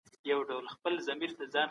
د علم او تخنيک په ډګر کي بايد سيالي وکړو.